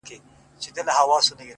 هغه زما تيارې کوټې ته څه رڼا ورکوي!